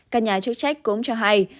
các nhà chức trách cũng cho hay